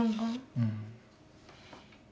うん。